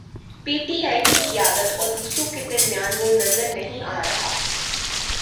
پی ٹی آئی کی قیادت اور دوسروں کے درمیان وہ نظر نہیں آ رہا۔